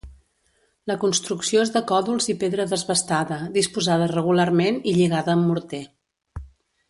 La construcció és de còdols i pedra desbastada, disposada regularment i lligada amb morter.